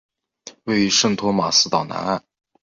位于圣托马斯岛南岸。